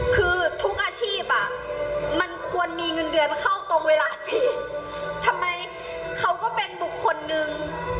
คือทุกอาชีพอ่ะมันควรมีเงินเดือนเข้าตรงเวลาสิทำไมเขาก็เป็นบุคคลหนึ่ง